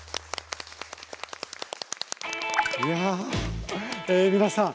いやあ皆さん